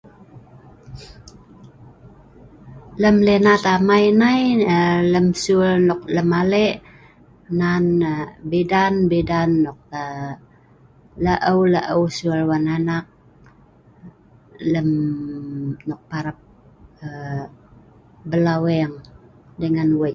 Lem linat amai nai, aa lem sul nok lemale nan aa bidan-bidan nok aa laeu'-laeu' sul wan anak, lem nok parap aa belaweng dengan wei'.